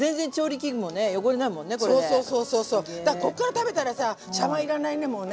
こっから食べたらさ茶わん要らないねもうね。